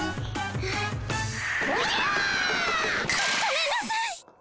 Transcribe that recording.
ごごめんなさい！